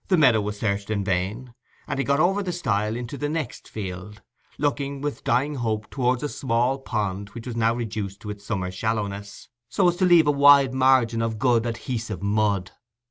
The meadow was searched in vain; and he got over the stile into the next field, looking with dying hope towards a small pond which was now reduced to its summer shallowness, so as to leave a wide margin of good adhesive mud.